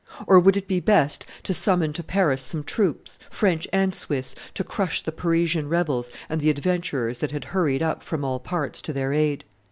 Or would it be best to summon to Paris some troops, French and Swiss, to crush the Parisian rebels and the adventurers that had hurried up from all parts to their aid?